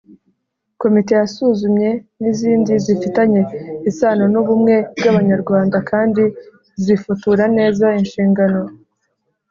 Komite yasuzumye n'izindi zifitanye isanon'ubumwe bw'Abanyarwanda kandi zifutura neza inshingano.